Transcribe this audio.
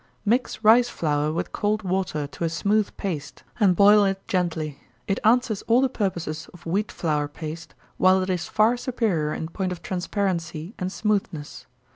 _ Mix rice flour with cold water, to a smooth paste, and boil it gently. It answers all the purposes of wheat flour paste, while it is far superior in point of transparency and smoothness.